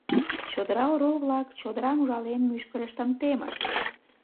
Чодыра орол-влак, чодырам ужален, мӱшкырыштым темышт.